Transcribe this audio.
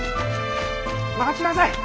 待ちなさい！